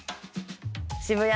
渋谷。